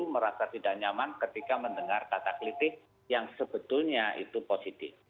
merasa tidak nyaman ketika mendengar kata kritik yang sebetulnya itu positif